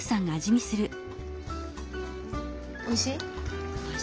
おいしい？